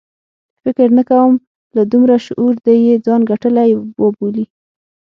فکر نه کوم له دومره شعور دې یې ځان ګټلی وبولي.